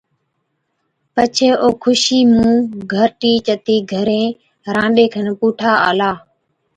پڇي او خوشِي مُون گھَرٽِي چتِي گھرين رانڏي کن پُوٺا آلا،